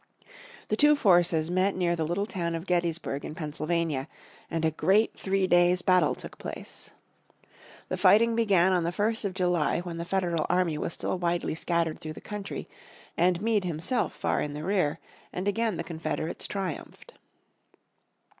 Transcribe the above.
The two forces met near the little town of Gettysburg in Pennsylvania, and a great three days' battle took place. The fighting began on the first of July when the Federal army was still widely scattered through the country, and Meade himself far in the rear, and again the Confederates triumphed.